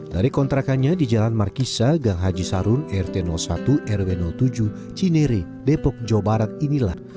dari kontrakannya di jalan markisa gang haji sarun rt satu rw tujuh cinere depok jawa barat inilah